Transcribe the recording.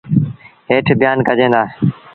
هيٺ بيآن ڪجين دآ۔